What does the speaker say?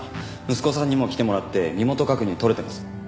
息子さんにも来てもらって身元確認とれてます。